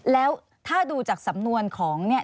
แล้วถ้าดูจากสำนวนของเนี่ย